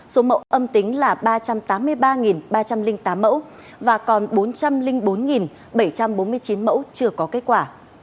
số mẫu âm tính là ba trăm tám mươi ba ba trăm linh tám mẫu và còn bốn trăm linh bốn bảy trăm bốn mươi chín mẫu chưa có kết quả